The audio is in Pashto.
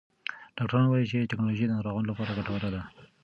ډاکټران وایې چې ټکنالوژي د ناروغانو لپاره ګټوره ده.